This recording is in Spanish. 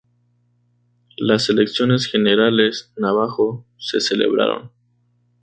Las elecciones generales Navajo se celebraron.